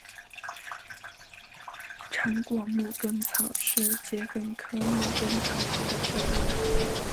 长果牧根草是桔梗科牧根草属的植物。